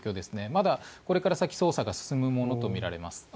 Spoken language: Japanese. まだ、これから先捜査が進むものとみられます。